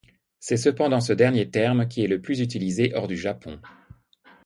C'est cependant ce dernier terme qui est le plus utilisé hors du Japon.